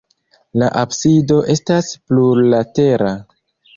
La absido estas plurlatera.